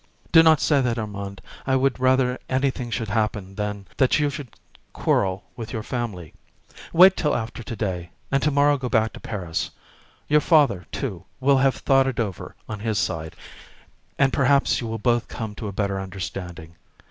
"Do not say that, Armand. I would rather anything should happen than that you should quarrel with your family; wait till after to day, and to morrow go back to Paris. Your father, too, will have thought it over on his side, and perhaps you will both come to a better understanding.